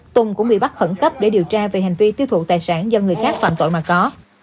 tùng cũng bị bắt khẩn cấp để điều tra về hành vi tiêu thụ tài sản do người khác phạm tội mà có